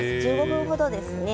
１５分ほどですね。